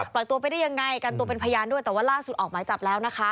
ตัวไปได้ยังไงกันตัวเป็นพยานด้วยแต่ว่าล่าสุดออกหมายจับแล้วนะคะ